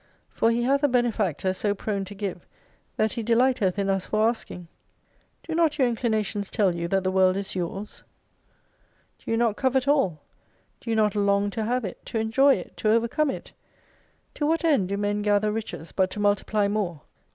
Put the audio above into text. !For he hath a Benefactor so prone to give, that He de lighteth in us for asking. Do not your inclinations tell you that the World is yours ? Do you not covet 15 all ? Do you not long to have it ; to enjoy it ; to over come it ? To what end do men gather riches, but to multiply more